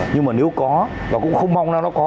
nhưng mà nếu có và cũng không mong là nó có